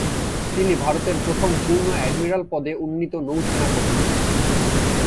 তিনি ভারতের প্রথম পূর্ণ অ্যাডমিরাল পদে উন্নীত নৌসেনা প্রধান।